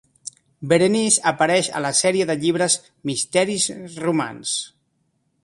Berenice apareix a la sèrie de llibres Misteris Romans.